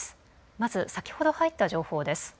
まず先ほど入った情報です。